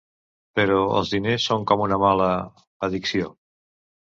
Però els diners són com una mala… addicció.